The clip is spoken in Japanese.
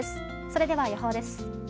それでは予報です。